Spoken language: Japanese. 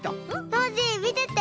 ノージーみてて。